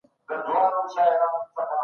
خلګ د خپلو عقایدو د بدلولو حق لري.